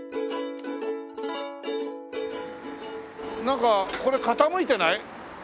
なんかこれ傾いてない？